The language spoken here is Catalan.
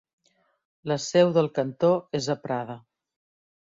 La seu del cantó és a Prada.